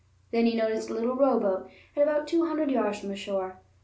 Then he noticed a little row boat at about two hundred yards from the shore.